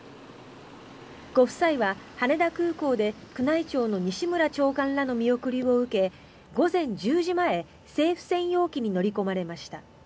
ご夫妻は羽田空港で宮内庁の西村長官らの見送りを受け午前１０時前政府専用機に乗り込まれました。